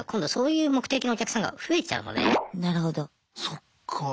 そっか。